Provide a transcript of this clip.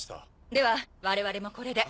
では我々もこれで。